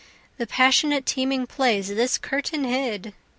The passionate teeming plays this curtain hid!)